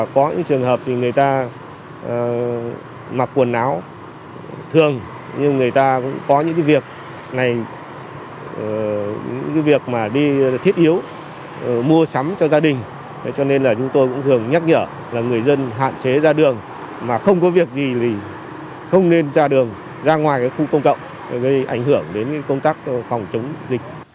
không có việc gì thì không nên ra đường ra ngoài khu công cộng để gây ảnh hưởng đến công tác phòng chống dịch